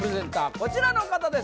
こちらの方です